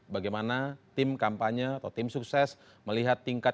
bagaimana tim kampanye atau tim sukses melihat tingkat